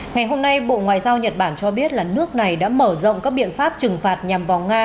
ngày hôm nay bộ ngoại giao nhật bản cho biết là nước này đã mở rộng các biện pháp trừng phạt nhằm vào nga